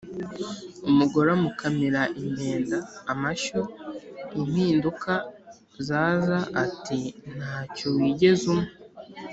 Umugore umukamira impenda (amashyo) impinduka zaza ati ntacyo wigeze umpa.